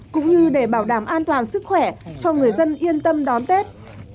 cũng như để bảo đảm an toàn sức khỏe cho người dân yên tâm đón tết